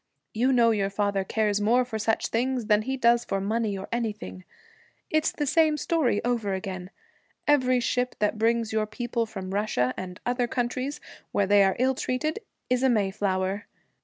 You know your father cares more for such things than he does for money or anything. It's the same story over again. Every ship that brings your people from Russia and other countries where they are ill treated is a Mayflower.